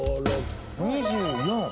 ２４！